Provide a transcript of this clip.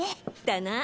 だな。